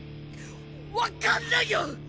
分かんないよ！